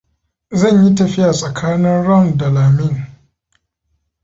Zan yi tafiya tsakanin Rome da Lamin.